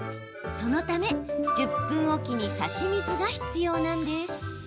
そのため、１０分置きに差し水が必要なんです。